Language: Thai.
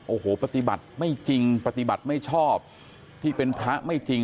โอ้โหปฏิบัติไม่จริงปฏิบัติไม่ชอบที่เป็นพระไม่จริง